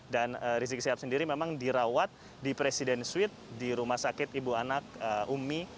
dan rizik sihab sendiri memang dirawat di presiden suite di rumah sakit ibu anak umi